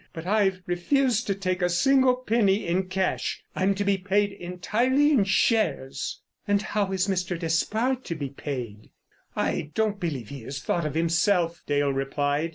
But I've refused to take a single penny in cash; I'm to be paid entirely in shares." "And how is Mr. Despard to be paid?" "I don't believe he has thought of himself," Dale replied.